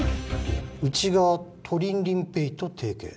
うちがトリンリンＰａｙと提携？